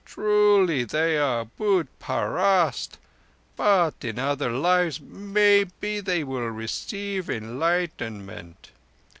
Truly they are būt parast, but in other lives, maybe, they will receive enlightenment.